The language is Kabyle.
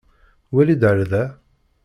Wali-d ar da!